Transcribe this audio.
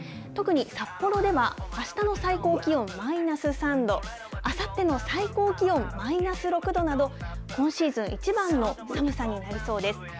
特に札幌ではあしたの最高気温マイナス３度、あさっての最高気温マイナス６度など、今シーズン一番の寒さになりそうです。